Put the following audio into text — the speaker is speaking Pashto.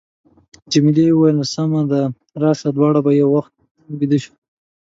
جميلې وويل:، سمه ده، راشه دواړه به یو وخت بېده شو.